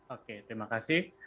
oke terima kasih